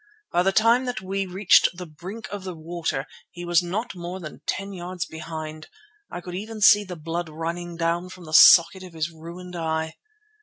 By the time that we reached the brink of the water he was not more than ten yards behind. I could even see the blood running down from the socket of his ruined eye.